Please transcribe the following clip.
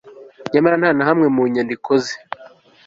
nyamara nta na hamwe mu nyandiko ze